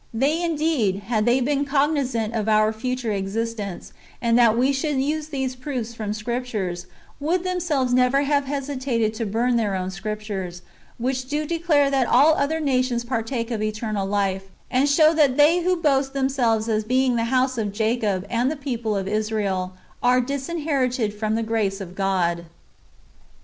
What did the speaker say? They indeed, had they been cog nizant of our future existence, and that we should use these proofs from the Scriptures, would themselves never have hesitated to burn their own Scriptures, which do declare that all other nations partake of [eternal] life, and show that they wdio boast themselves as being the house of Jacob and the people of Israel, are disinherited from the grace of God.